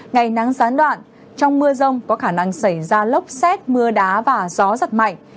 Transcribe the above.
ngày nắng gián đoạn trong mưa rông có khả năng xảy ra lốc xét mưa đá và gió giật mạnh